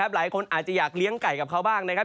หลายคนอาจจะอยากเลี้ยงไก่กับเขาบ้างนะครับ